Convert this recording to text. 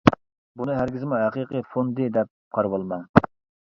بۇنى ھەرگىزمۇ ھەقىقىي فوندى دەپ قارىۋالماڭ.